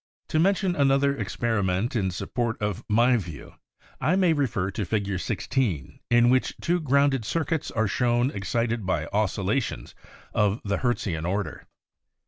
To mention another experiment in sup port of my view, I may refer to Fig. 16 in which two grounded circuits are shown excited by oscillations of the Hertzian order.